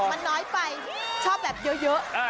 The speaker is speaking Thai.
มันน้อยไปชอบแบบเยอะ